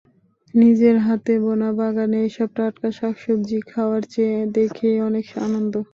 নিজের হাতে বোনা বাগানের এসব টাটকা শাকসবজি খাওয়ার চেয়ে দেখেই অনেক আনন্দ।